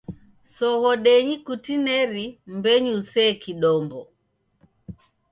Soghodenyi kutineri mbenyu usee kidombo.